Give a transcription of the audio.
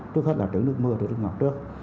trước hết là trữ nước mưa trữ nước ngọt trước